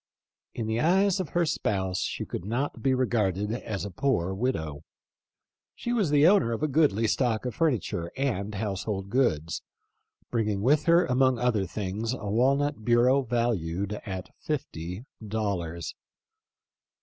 In the eyes of her spouse she could not be re garded as a poor widow. She was the owner of a goodly stock of furniture and household goods ; bringing with her among other things a walnut bureau valued at fifty dollars.